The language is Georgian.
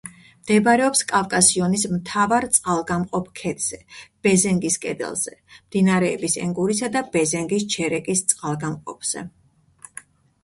მდებარეობს კავკასიონის მთავარ წყალგამყოფ ქედზე, ბეზენგის კედელზე, მდინარეების ენგურისა და ბეზენგის ჩერეკის წყალგამყოფზე.